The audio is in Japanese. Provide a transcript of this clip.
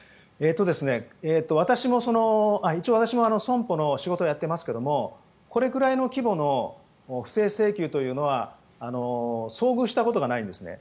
私も一応損保の仕事をやっていますがこれくらいの規模の不正請求というのは遭遇したことがないんですね。